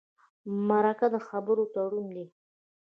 مرکه د خبرو تړون دی.